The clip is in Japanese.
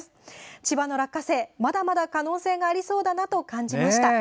千葉の落花生まだまだ可能性がありそうだなと感じました。